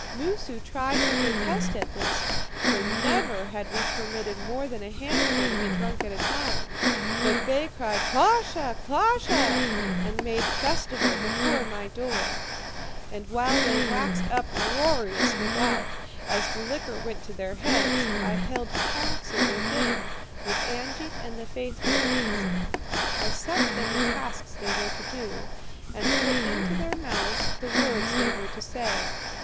Moosu tried to protest at this, for never had we permitted more than a handful to be drunk at a time; but they cried, 'KLOSHE! KLOSHE!' and made festival before my door. And while they waxed uproarious without, as the liquor went to their heads, I held council within with Angeit and the faithful ones. I set them the tasks they were to do, and put into their mouths the words they were to say.